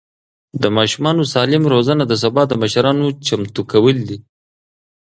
د ماشومانو سالم روزنه د سبا د مشرانو چمتو کول دي.